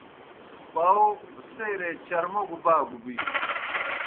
پاؤ سیرے چرموگوْ باگوْ بِینوْ۔